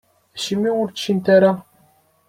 Acimi ur ččint ara?